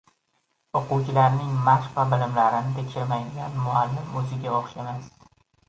– o‘quvchilarining mashq va bilimlarini tekshirmaydigan muallim o'ziga o'xshamas.